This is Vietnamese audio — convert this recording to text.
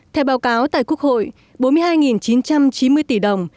theo báo cáo tại quốc hội bốn mươi hai chín trăm chín mươi tỷ đồng